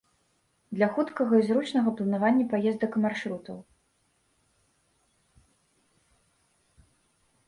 Для хуткага і зручнага планавання паездак і маршрутаў.